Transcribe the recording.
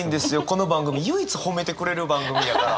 この番組唯一褒めてくれる番組やから。